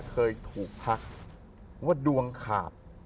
เคยถูกทักว่าดวงขาด